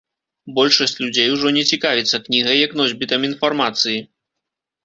Большасць людзей ужо не цікавіцца кнігай як носьбітам інфармацыі.